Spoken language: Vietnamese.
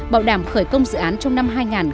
bảo đảm khởi công dự án trong năm hai nghìn một mươi tám